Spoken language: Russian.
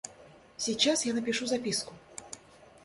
Сейчас я напишу записку.